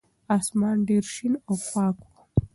اسمان ډېر شین او پاک و.